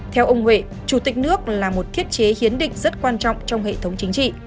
theo ông huệ chủ tịch nước là một thiết chế hiến định rất quan trọng trong hệ thống chính trị